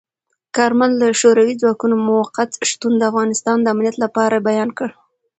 کارمل د شوروي ځواکونو موقت شتون د افغانستان د امنیت لپاره بیان کړ.